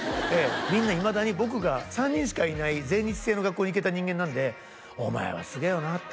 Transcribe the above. みんないまだに僕が３人しかいない全日制の学校に行けた人間なんで「お前はすげえよな」って